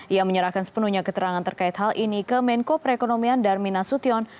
ia menyerahkan sepenuhnya keterangan terkait hal ini ke menko perekonomian darmin nasution